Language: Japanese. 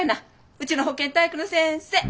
うちの保健体育の先生。